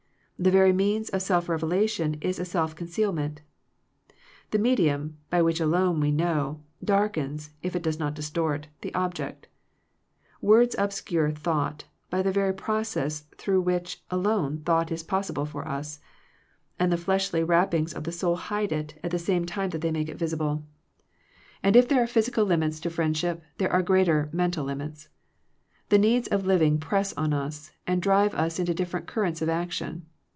The very means of self revelation is a self conceal ment. The medium, by which alone we know, darkens, if it does not distort, the object, Words obscure thought, by the very process through which alone thought fe possible for us; and the fleshly wrap pings of the soul hide it, at the same time that they make it visible. .. 194 Digitized by VjOOQIC THE LIMITS OF FRIENDSHIP And if there are physical limits to friendship, there are greater mental limits. The needs of living press on us, and drive us into different currents of action.